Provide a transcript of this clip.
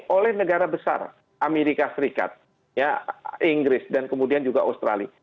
oleh negara besar amerika serikat inggris dan kemudian juga australia